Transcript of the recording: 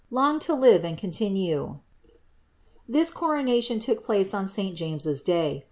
long to live and continnr !*" This corouBiion took place on St. Jamea^s day.